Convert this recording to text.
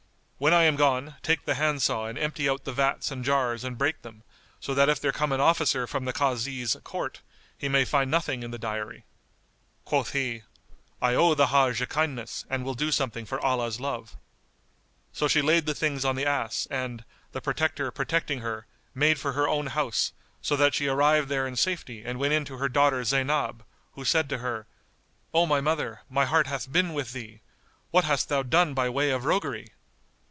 When I am gone, take the handsaw and empty out the vats and jars and break them, so that if there come an officer from the Kází's court, he may find nothing in the dyery." Quoth he, "I owe the Hajj a kindness and will do something for Allah's love." So she laid the things on the ass and, the Protector protecting her, made for her own house; so that she arrived there in safety and went in to her daughter Zaynab, who said to her, "O my mother, my heart hath been with thee! What hast thou done by way of roguery?"